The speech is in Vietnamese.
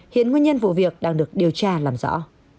hiện nguyên nhân vụ việc đang được điều tra làm rõ